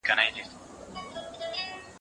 مشر زوى ته يې په ژوند كي تاج پر سر كړ